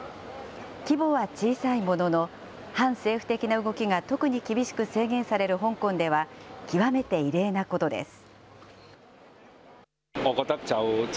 規模は小さいものの、反政府的な動きが特に厳しく制限される香港では、極めて異例なことです。